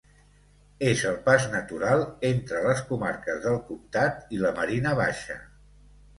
És el pas natural entre les comarques del Comtat i la Marina Baixa.